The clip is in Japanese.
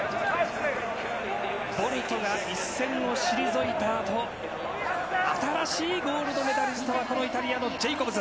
ボルトが一線を退いた後、新しいゴールドメダリストがこのイタリアのジェイコブズ。